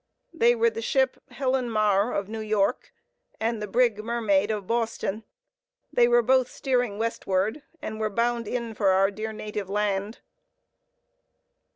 They were the ship Helen Mar, of New York, and the brig Mermaid, of Boston. They were both steering westward, and were bound in for our "dear native land."